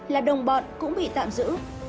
là đồng bọn cũng bị tạm giữ